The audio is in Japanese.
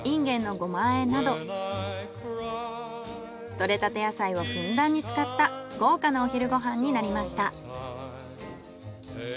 採れたて野菜をふんだんに使った豪華なお昼ご飯になりました。